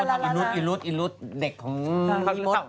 เห็นแบบเด็กของบ๊อต